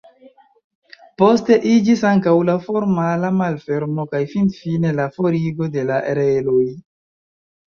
Poste iĝis ankaŭ la formala malfermo kaj finfine la forigo de la reloj.